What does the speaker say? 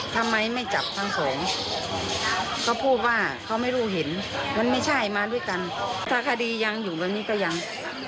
ก็โชคเลยไม่มีเชื่อด้วยกันไปรับไปส่ง